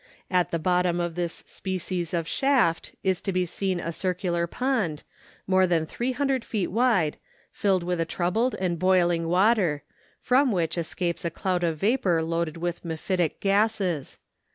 At the bottom of this species of shaft is to be seen a circular pond, more than three hundred feet wide, filled with a troubled and boiling water, from which escapes a cloud of vapour loaded with mephitic gases.